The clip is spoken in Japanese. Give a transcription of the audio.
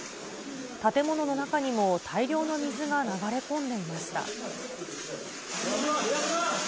建物の中にも大量の水が流れ込んでいました。